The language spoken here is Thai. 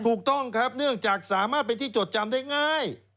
ถูกต้องครับเนื่องจากสามารถเป็นที่จดจำได้ง่าย